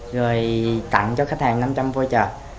rồi tặng cho khách hàng năm trăm linh voucher